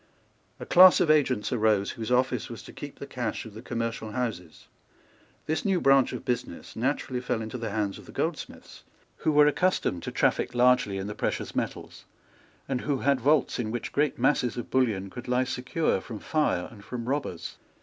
A class of agents arose, whose office was to keep the cash of the commercial houses. This new branch of business naturally fell into the hands of the goldsmiths, who were accustomed to traffic largely in the precious metals, and who had vaults in which great masses of bullion could lie secure from fire and from robbers.